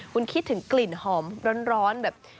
คุณคิดถึงกลิ่นหอมร้อนแบบ